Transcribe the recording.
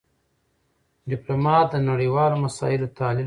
ډيپلومات د نړېوالو مسایلو تحلیل وړاندې کوي.